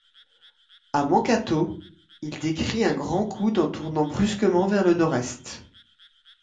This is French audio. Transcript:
À Mankato, il décrit un grand coude en tournant brusquement vers le nord-est.